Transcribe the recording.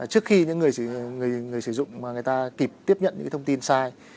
trước khi những người sử dụng mà người ta kịp tiếp nhận những thông tin sai